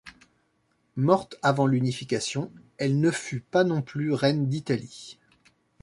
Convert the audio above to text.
Morte avant l'unification, elle ne fut pas non plus reine d'Italie.